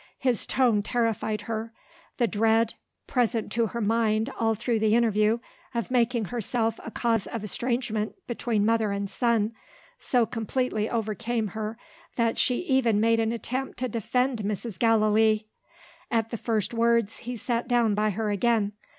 His tone terrified her. The dread, present to her mind all through the interview, of making herself a cause of estrangement between mother and son, so completely overcame her that she even made an attempt to defend Mrs. Gallilee! At the first words, he sat down by her again.